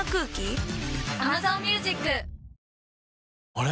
あれ？